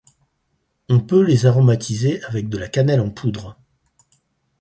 On peut les aromatiser avec de la cannelle en poudre.